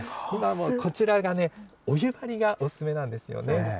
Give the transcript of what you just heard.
こちらがね、お湯割りがお勧めなんですよね。